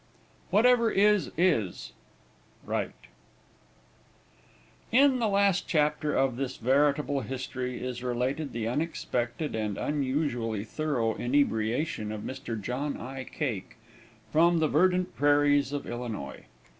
Whatever is, is. WRIGHT. IN the last chapter of this veritable history is related the unexpected and unusually thorough inebriation of Mr. John I. Cake, from the verdant prairies of Illinois.